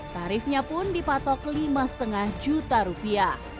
tarifnya pun dipatok lima lima juta rupiah